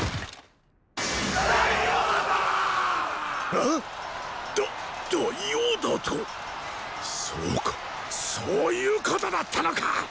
あぁ⁉だっ大王だと⁉そうかそういうことだったのか！！